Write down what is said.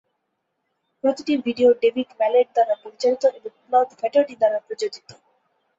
প্রতিটি video David Mallet দ্বারা পরিচালিত এবং পল ফ্ল্যাটাটি দ্বারা প্রযোজিত।